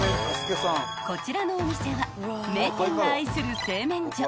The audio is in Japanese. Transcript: ［こちらのお店は名店が愛する製麺所